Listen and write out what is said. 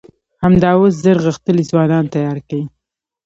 همدا اوس زر غښتلي ځوانان تيار کئ!